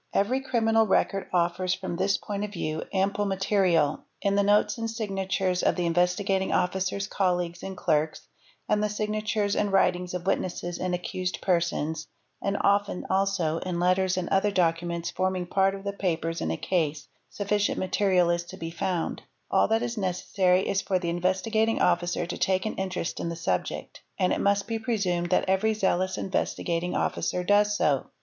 _ Every criminal record offers, from this point of view, ample material ; in the notes and signatures of the Investigating Officer's colleagues and clerks, and the signatures and writings of witnesses and accused persons, and often also, in letters and other documents forming part of the papers in a case, sufficient material is to be found ; all that is necessary is for the Investigating Officer to take an interest in the subject—and it must be presumed that every zealous Investigating Officer does so.